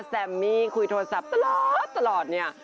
แซมมี่คุยโทรศัพท์ตลอดตลอดเนี่ย